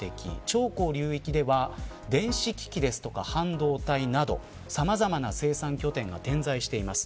長江流域では電子機器ですとか半導体などさまざまな生産拠点が点在しています。